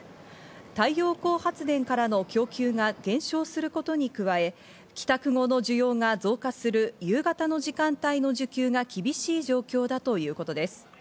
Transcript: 太陽光発電からの供給が減少することに加え、帰宅後の需要が増加する夕方の時間帯の需給が厳しい状況だということです。